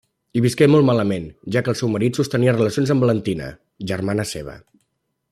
Hi visqué molt malament, ja que el seu marit sostenia relacions amb Valentina, germana seva.